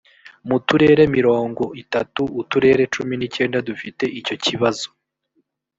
mu turere mirongo itatu, uturere cumi n’icyenda dufite icyo kibazo